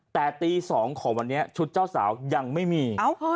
แต่ตี๒ของวันนี้ชุดเจ้าสาวยังไม่มี